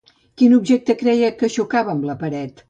Quin objecte creia que xocava amb la paret?